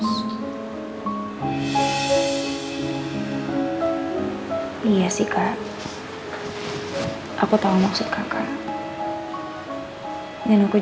soal hubungan rendy sama jessica